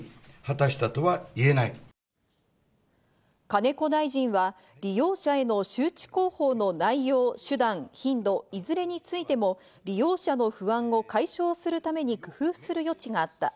金子大臣は利用者への周知広報の内容、集団、頻度、いずれについても利用者の不安を解消するために工夫する余地があった。